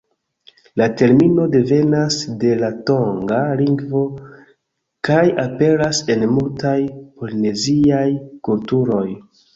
La termino devenas de la tonga lingvo kaj aperas en multaj polineziaj kulturoj.